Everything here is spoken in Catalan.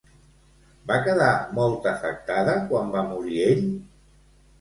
Va quedar molt afectada quan va morir ell?